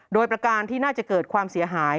โดยประการที่น่าจะเกิดความเสียหาย